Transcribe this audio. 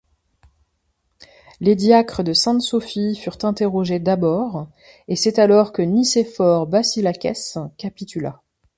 Les diacres de Sainte-Sophie furent interrogés d'abord, et c'est alors que Nicéphore Basilakès capitula.